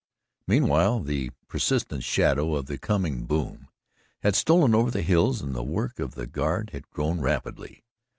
Meanwhile, the prescient shadow of the coming "boom" had stolen over the hills and the work of the Guard had grown rapidly.